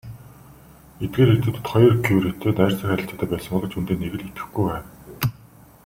Эдгээр эрдэмтэд хоёр Кюретэй найрсаг харилцаатай байсан боловч үнэндээ нэг л итгэхгүй байв.